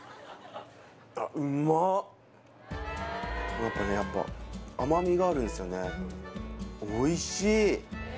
何かねやっぱ甘みがあるんですよねおいしい！